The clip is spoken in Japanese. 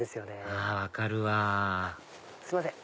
あ分かるわすいません